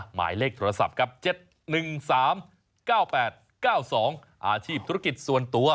หมายเลขโทรศัพท์ครับ๗๑๓๙๘๙๒อาชีพธุรกิจส่วนตัว